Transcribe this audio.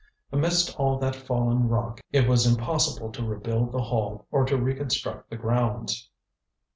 Amidst all that fallen rock it was impossible to rebuild the Hall, or to reconstruct the grounds.